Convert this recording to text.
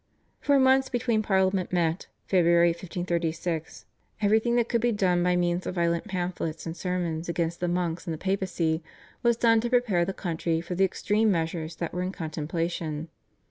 For months before Parliament met (Feb. 1536) everything that could be done by means of violent pamphlets and sermons against the monks and the Papacy was done to prepare the country for the extreme measures that were in contemplation.